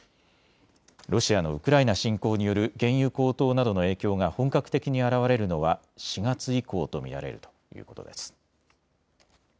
ロシアのウクライナ侵攻による原油高騰などの影響が本格的に表れるのは４月以降と見られるということです。